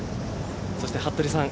そして服部さん